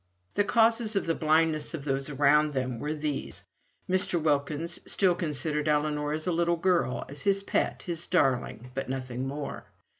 The causes of the blindness of those around them were these: Mr. Wilkins still considered Ellinor as a little girl, as his own pet, his darling, but nothing more.